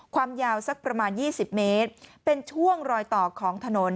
ความยาวสักประมาณ๒๐เมตรเป็นช่วงรอยต่อของถนน